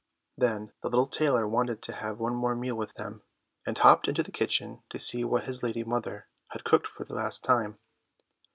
Then the little tailor wanted to have one more meal with them, and hopped into the kitchen to see what his lady mother had cooked for the last time.